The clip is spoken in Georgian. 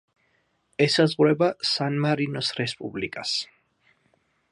ესაზღვრება სან-მარინოს რესპუბლიკას.